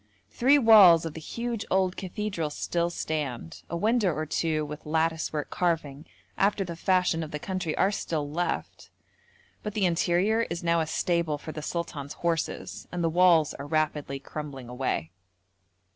Three walls of the huge old cathedral still stand, a window or two with lattice work carving after the fashion of the country are still left, but the interior is now a stable for the sultan's horses, and the walls are rapidly crumbling away.